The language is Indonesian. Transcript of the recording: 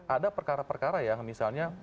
ada perkara perkara ya misalnya